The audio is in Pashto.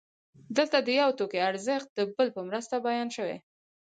دلته د یو توکي ارزښت د بل په مرسته بیان شوی